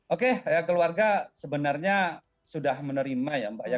oke keluarga sebenarnya sudah menerima ya mbak ya